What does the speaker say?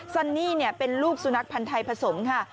ซันนี่เป็นลูกสุนัขพันธ์ไทยผสมค่ะ